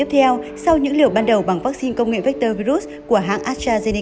tổ chức này cho biết tùy vào tình trạng sẵn có các vaccine công nghệ mrna như của hãng pfizer và moderna